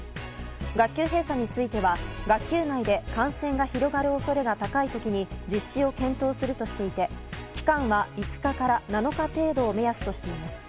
学級閉鎖については、学級内で感染が広がる恐れが高い時に実施を検討するとしていて期間は５日から７日程度を目安としています。